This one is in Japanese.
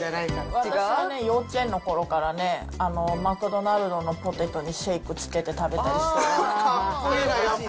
私はね、幼稚園のころからね、マクドナルドのポテトにシェイクつけて食べかっこいいな、やっぱり。